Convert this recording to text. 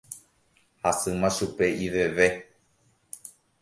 Hasýma chupe iveve.